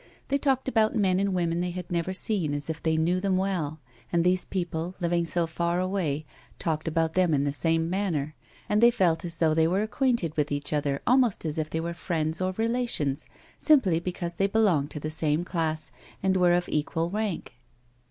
They talked about men and women tbey had never seen as if they knew them well, and these people, living so far away, talked about them in the same manner, and they felt as though they were acquainted with each other, almost as if they were friends or relations, simply because they belonged to the same class and were of equal rank.